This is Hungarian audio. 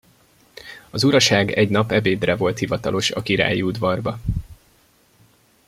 Az uraság egy nap ebédre volt hivatalos a királyi udvarba.